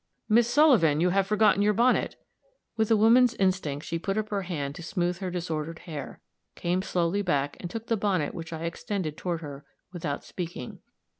"Miss Sullivan, you have forgotten your bonnet." With a woman's instinct she put up her hand to smooth her disordered hair, came slowly back and took the bonnet which I extended toward her, without speaking.